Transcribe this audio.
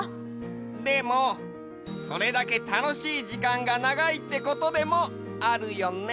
でもそれだけたのしい時間がながいってことでもあるよね。